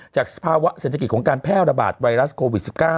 สภาวะเศรษฐกิจของการแพร่ระบาดไวรัสโควิด๑๙